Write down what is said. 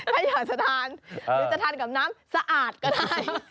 ถ้าอยากจะทานหรือจะทานกับน้ำสะอาดก็ได้